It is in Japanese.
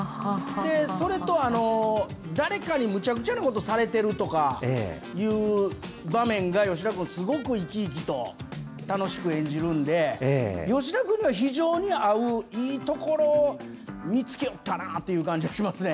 それと、誰かにむちゃくちゃなことされてるとかいう場面が吉田君、すごく生き生きと楽しく演じるんで、吉田君の非常に合う、いいところ見つけよったなという感じがしますね。